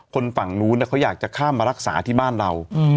คนฝั่งนู้นเขาอยากจะข้ามมารักษาที่บ้านเรา